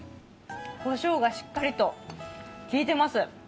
こしょうがしっかりと効いています。